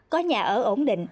có nhà ở ổn định